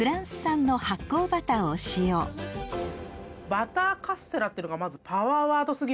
バターカステラっていうのがまずパワーワード過ぎない？